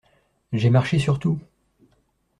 J’ai marché sur tout !